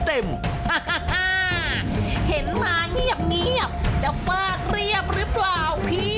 เห็นมาเงียบจะฟาดเรียบหรือเปล่าพี่